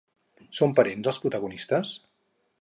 Són parents els protagonistes?